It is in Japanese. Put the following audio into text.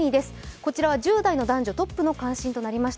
こちらは１０代の関心トップとなりました。